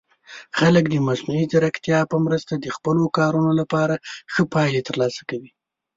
خلک د مصنوعي ځیرکتیا په مرسته د خپلو کارونو لپاره ښه پایلې ترلاسه کوي.